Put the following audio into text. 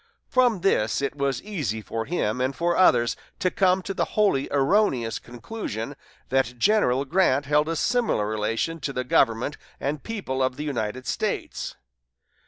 From this it was easy for him and for others to come to the wholly erroneous conclusion that General Grant held a similar relation to the government and people of the United States.